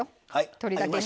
「とり」だけに。